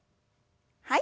はい。